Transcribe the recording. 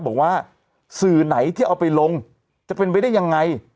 บอกว่าสื่อไหนที่เอาไปลงจะเป็นไปได้ยังไง